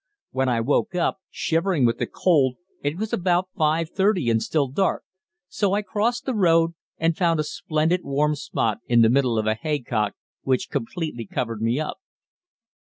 When I woke up, shivering with the cold, it was about 5.30 and still dark, so I crossed the road and found a splendid warm spot in the middle of a haycock, which completely covered me up.